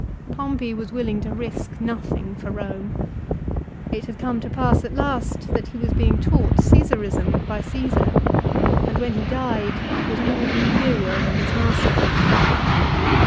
Pompey was willing to risk nothing for Borne. It had come to pass at last that he was being taught Csesarism by Csesar, and when he died was more imperial than his master.